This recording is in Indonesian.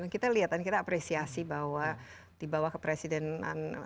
kita lihat dan kita apresiasi bahwa di bawah kepresidenan